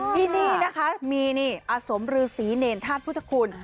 ที่นี่มีอสมฤูริษีเนญธาตุพุทธคุณ